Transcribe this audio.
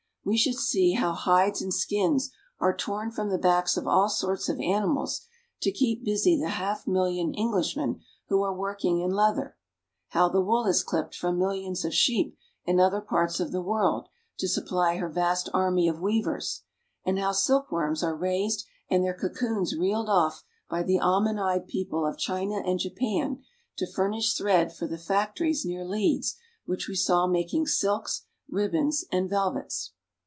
We should see how hides and skins are torn from the backs of all sorts of animals to keep busy the half million English men who are working in leather, how the wool is clipped from millions of sheep in other parts of the world to sup ply her vast army of weavers, and how silkworms are raised and their cocoons reeled off by the almond eyed people of China and Japan to furnish thread for the factories near Leeds which we saw making silks, ribbons, and velvets.